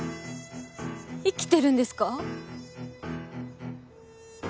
生きてるんですか？